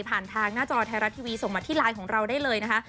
ทางหน้าจอไทยรัฐทีวีส่งมาที่ไลน์ของเราได้เลยนะคะ